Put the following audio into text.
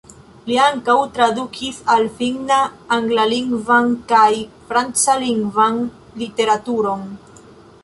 Li ankaŭ tradukis al finna anglalingvan kaj francalingvan literaturon.